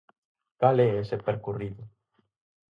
Cal é ese percorrido?